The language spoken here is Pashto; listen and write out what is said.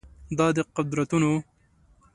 دا د قدرتونو